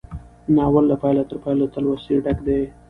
ناول له پيله تر پايه له تلوسې ډک دی.